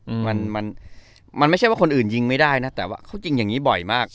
อืมมันมันไม่ใช่ว่าคนอื่นยิงไม่ได้นะแต่ว่าเขายิงอย่างงี้บ่อยมาก